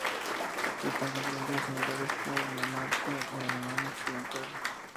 Citan conclusiones similares como Dinamarca y Alemania Occidental.